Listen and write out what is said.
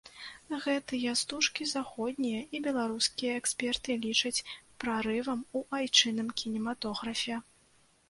Гэтыя стужкі заходнія і беларускія эксперты лічаць прарывам у айчынным кінематографе.